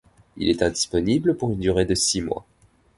Il est indisponible pour une durée de six mois.